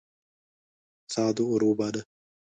سعد ور وباله.